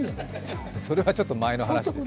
それはちょっと前の話です。